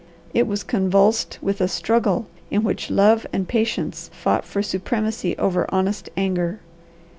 It was convulsed with a struggle in which love and patience fought for supremacy over honest anger.